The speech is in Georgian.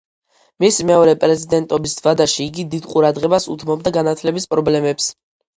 მისი მეორე პრეზიდენტობის ვადაში იგი დიდ ყურადღებას უთმობდა განათლების პრობლემებს.